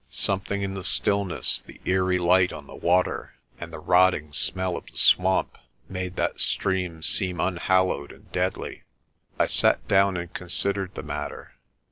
Something in the stillness, the eerie light on the water, and the rotting smell of the swamp made that stream seem un hallowed and deadly. I sat down and considered the matter.